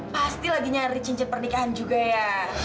pasti lagi nyari cincin pernikahan juga ya